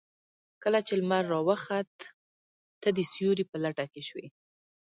کله چې لمر راوخت تۀ د سيوري په لټه کې شوې.